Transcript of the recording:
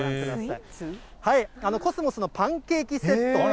コスモスのパンケーキセット。